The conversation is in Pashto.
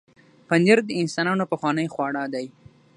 پنېر د انسانانو پخوانی خواړه دی.